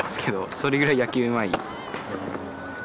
それぐらい野球うまい。